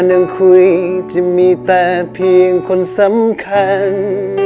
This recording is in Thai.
นั่งคุยจะมีแต่เพียงคนสำคัญ